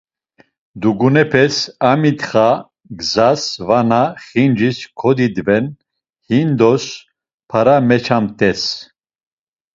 Dugunepes amitxa gzas vana xincis kodidven, hindos para meçamt̆es.